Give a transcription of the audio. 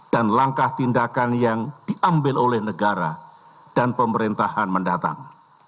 dan langkah tindakan yang diambil oleh negara dan pemerintahan mendatang